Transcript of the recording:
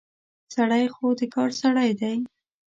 سړی خو د کار سړی دی.